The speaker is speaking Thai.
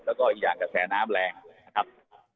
แล้วก็อีกอย่างกระแสน้ำแรงนะครับ